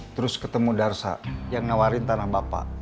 terus ketemu darsa yang nawarin tanah bapak